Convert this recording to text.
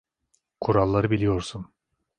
Kuralları biliyorsun.